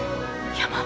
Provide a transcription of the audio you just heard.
山？